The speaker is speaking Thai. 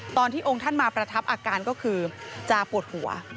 ตอนที่องค์ท่านมาประทับอาการก็คือจะปวดหัว